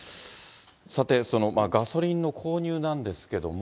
さて、ガソリンの購入なんですけれども。